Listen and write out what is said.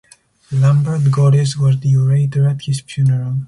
Lambert Goris was the orator at his funeral.